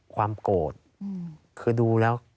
ความโกรธคือดูแล้ว